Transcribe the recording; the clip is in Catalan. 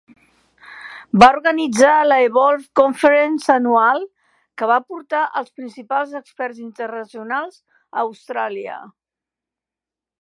Va organitzar la Evolve Conference anual, que va portar els principals experts internacionals a Austràlia.